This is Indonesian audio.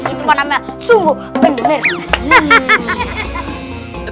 itu pak namel sungguh bener bener sendiri